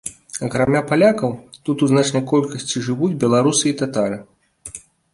Акрамя палякаў, тут у значнай колькасці жывуць беларусы і татары.